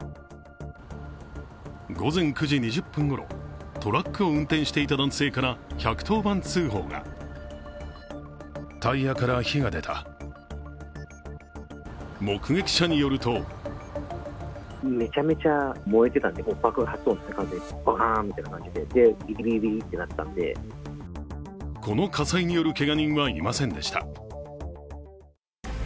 午前９時２０分ごろ、トラックを運転していた男性から１１０番通報が目撃者によるとこの火災によるけが人はいませんでした。